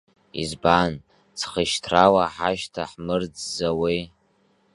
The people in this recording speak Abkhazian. Избан, ӡхьышьҭрала ҳашьҭа ҳмырӡӡауеи?